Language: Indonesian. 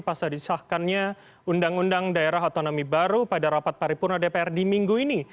pasal disahkannya undang undang daerah otonomi baru pada rapat paripurna dpr di minggu ini